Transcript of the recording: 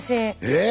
え？